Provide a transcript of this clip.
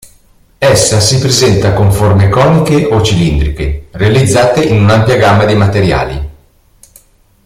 Essa si presenta con forme coniche o cilindriche, realizzate in un'ampia gamma di materiali.